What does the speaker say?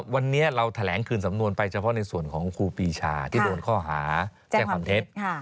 วันนี้เราแถลงคืนสำนวนไปเฉพาะในส่วนของครูปีชาที่โดนข้อหาแจ้งความเท็จ